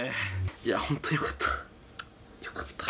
いや本当、よかった。